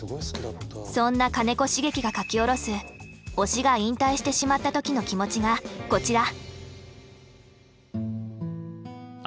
そんな金子茂樹が書き下ろす推しが引退してしまった時の気持ちがこちら。